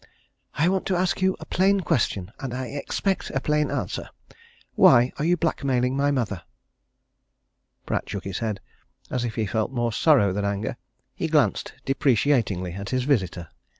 "I want to ask you a plain question and I expect a plain answer. Why are you blackmailing my mother?" Pratt shook his head as if he felt more sorrow than anger. He glanced deprecatingly at his visitor.